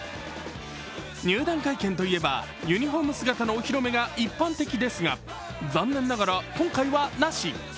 入団会見といえば、ユニフォーム姿のお披露目が一般的ですが、残念ながら今回はなし。